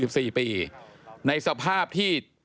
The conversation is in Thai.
ในสภาพที่มีหน้าที่น่าสงสัยครับ